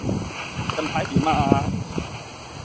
近排點呀